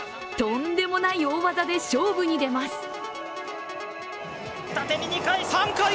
とんでもない大技で勝負に出ます。